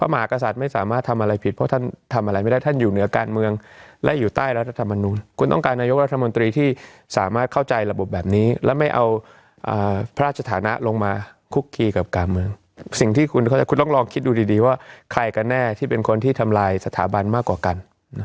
หากษัตริย์ไม่สามารถทำอะไรผิดเพราะท่านทำอะไรไม่ได้ท่านอยู่เหนือการเมืองและอยู่ใต้รัฐธรรมนุนคุณต้องการนายกรัฐมนตรีที่สามารถเข้าใจระบบแบบนี้แล้วไม่เอาพระราชฐานะลงมาคุกคีกับการเมืองสิ่งที่คุณเข้าใจคุณต้องลองคิดดูดีว่าใครกันแน่ที่เป็นคนที่ทำลายสถาบันมากกว่ากัน